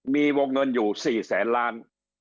มีวงเงินอยู่๔แสนล้าน